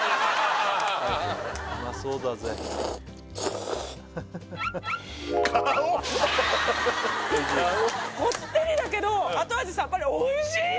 こってりだけど後味さっぱりおいしい！